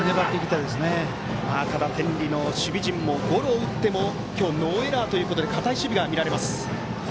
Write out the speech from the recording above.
ただ、天理の守備陣もゴロを打っても今日、ノーエラーということで堅い守備が見られます。